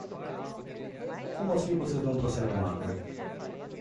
Como assim vocês não trouxeram nada?